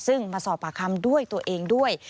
ซึ่งมาสอบปากคำด้วยตัวเองด้วย